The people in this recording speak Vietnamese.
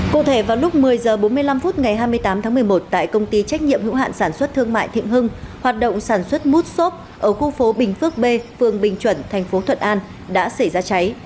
cụ thể vào lúc một mươi h bốn mươi năm phút ngày hai mươi tám tháng một mươi một tại công ty trách nhiệm hữu hạn sản xuất thương mại thiện hưng hoạt động sản xuất mút xốp ở khu phố bình phước b phường bình chuẩn thành phố thuận an đã xảy ra cháy